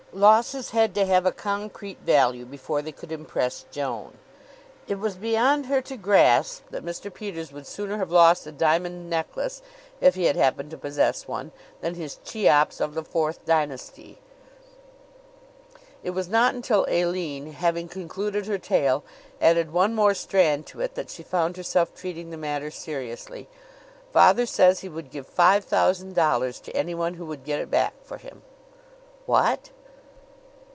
Losses had to have a concrete value before they could impress Joan. It was beyond her to grasp that Mr. Peters would sooner have lost a diamond necklace, if he had happened to possess one, than his Cheops of the Fourth Dynasty. It was not until Aline, having concluded her tale, added one more strand to it that she found herself treating the matter seriously. "Father says he would give five thousand dollars to anyone who would get it back for him." "What!"